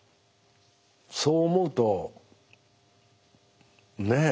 そう思うとねえ